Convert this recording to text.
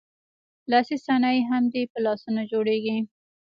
لاسي صنایع هغه دي چې په لاسونو جوړیږي.